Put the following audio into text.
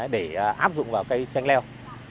để áp dụng vào cây tranh leo